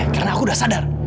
karena aku udah sadar